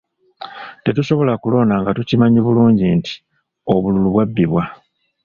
Tetusobola kulonda nga tukimanyi bulungi nti obululu bwabbibwa.